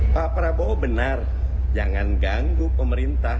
pak prabowo benar jangan ganggu pemerintah